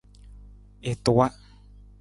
I tuwa.